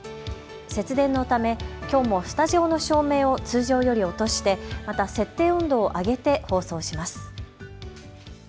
節電のためきょうもスタジオの照明を通常より落としてまた設定温度を上げて放送します。